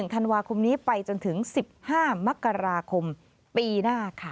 ธันวาคมนี้ไปจนถึง๑๕มกราคมปีหน้าค่ะ